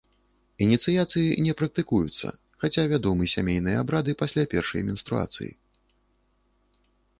Ініцыяцыі не практыкуюцца, хаця вядомы сямейныя абрады пасля першай менструацыі.